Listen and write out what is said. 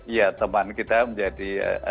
ya teman kita menjadi